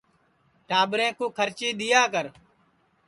ٹاٻریں کُو کھرچی دؔیا کر